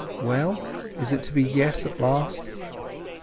Well? Is it to be yes at last?"